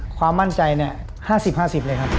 ความมั่นใจเนี่ย๕๐๕๐เลยครับ